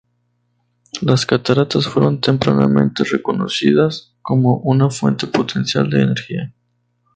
Las cataratas fueron tempranamente reconocidas como una fuente potencial de energía.